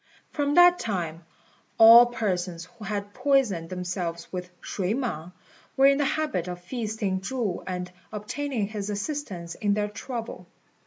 From that time all persons who had poisoned themselves with shui mang were in the habit of feasting Chu and obtaining his assistance in their trouble.